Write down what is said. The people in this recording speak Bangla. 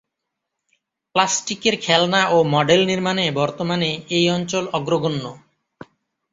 প্লাস্টিকের খেলনা ও মডেল নির্মাণে বর্তমানে এই অঞ্চল অগ্রগণ্য।